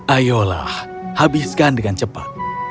ayolah habiskan dengan cepat